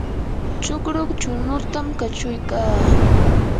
chukru chunutam kachuykaa.